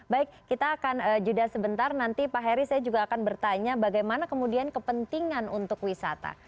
baik kita akan jeda sebentar nanti pak heri saya juga akan bertanya bagaimana kemudian kepentingan untuk wisata